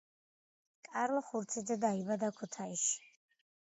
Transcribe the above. კარლო ხურციძე დაიბადა ქუთაისში.